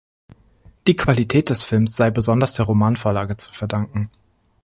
Die Qualität des Films sei besonders der Romanvorlage zu verdanken.